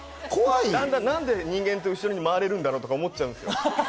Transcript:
だんだん人間って何で後に回れるんだろうとか思っちゃうんですよ。